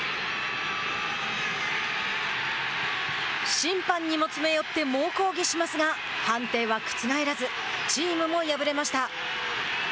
審判にも詰め寄って猛抗議しますが判定は覆らずチームも敗れました。